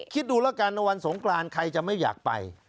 คิดดูแล้วกันว่าวันสงกรานใครจะไม่อยากไป